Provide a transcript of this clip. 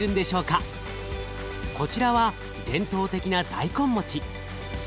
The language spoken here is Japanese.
こちらは伝統的な大根餅。